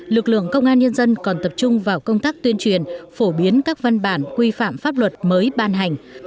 lực lượng công an nhân dân còn tập trung vào công tác tuyên truyền phổ biến các văn bản quy phạm pháp luật mới ban hành